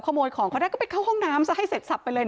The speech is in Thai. ขโมยของเขาได้ก็ไปเข้าห้องน้ำซะให้เสร็จสับไปเลย